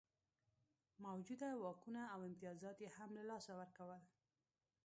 موجوده واکونه او امتیازات یې هم له لاسه ورکول.